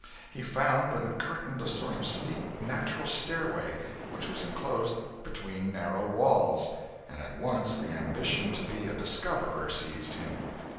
He found that it curtained a sort of steep natural stairway which was enclosed between narrow walls, and at once the ambition to be a discoverer seized him.